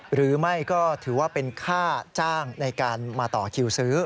หรือไม่ก็ถือว่าเป็นค่าจ้างในการมาต่อคิวซื้อ